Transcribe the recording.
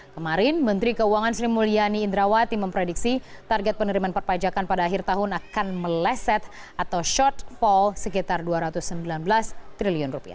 kemarin menteri keuangan sri mulyani indrawati memprediksi target penerimaan perpajakan pada akhir tahun akan meleset atau shortfall sekitar rp dua ratus sembilan belas triliun